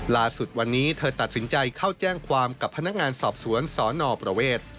ล่าสุดวันนี้เธอตัดสินใจเข้าแจ้งความกับพนักงานสอบสวนสนประเวท